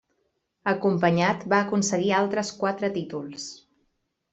Acompanyat, va aconseguir altres quatre títols.